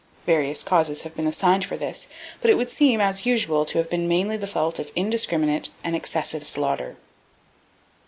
Various causes have been assigned for this, but it would seem, as usual, to have been mainly the fault of indiscriminate and excessive slaughter."